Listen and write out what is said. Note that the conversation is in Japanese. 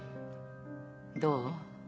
どう？